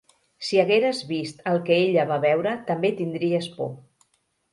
Si hagueres vist el que ella va veure també tindries por